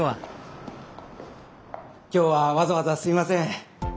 今日はわざわざすいません。